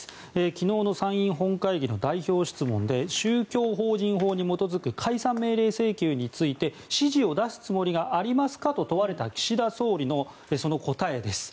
昨日の参院本会議の代表質問で、宗教法人法に基づく解散命令請求について指示を出すつもりがありますかと問われた岸田総理のその答えです。